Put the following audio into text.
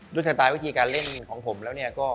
ด้วยสไตล์วิธีการเล่นของผมแล้ว